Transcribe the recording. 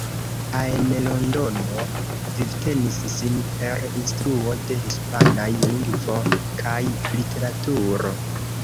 En Londono vivtenis sin per instruo de hispanaj lingvo kaj literaturo.